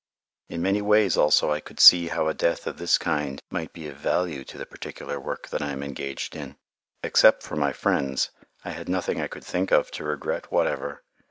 In many ways, also, I could see how a death of this kind might be of value to the particular work that I am engaged in. Except for my friends, I had nothing I could think of to regret whatever.